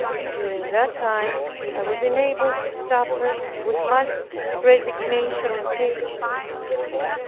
During that time, I was enabled to suffer with much resignation and patience.